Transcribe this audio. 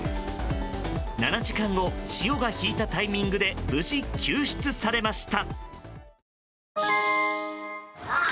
７時間後潮が引いたタイミングで無事、救出されました。